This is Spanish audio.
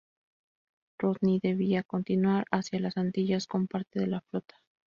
Rodney debía continuar hacia las Antillas con parte de la flota.